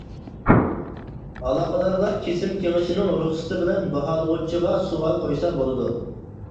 ئالاقىدارلار كېسىم كېڭىشىنىڭ رۇخسىتى بىلەن باھالىغۇچىغا سوئال قويسا بولىدۇ.